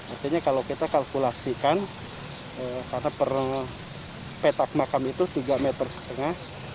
artinya kalau kita kalkulasikan karena per petak makam itu tiga meter setengah